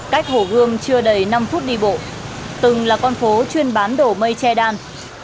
cách hổ gươm chưa đầy năm phút đi bộ từng là con phố chuyên bán đổ mây che đan